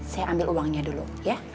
saya ambil uangnya dulu ya